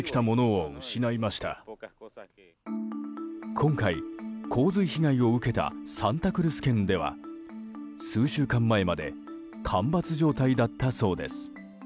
今回、洪水被害を受けたサンタクルス県では数週間前まで干ばつ状態だったそうです。